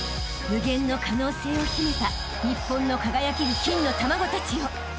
［無限の可能性を秘めた日本の輝ける金の卵たちよ］